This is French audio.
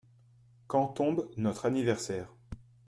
Quand tombe notre anniversaire ?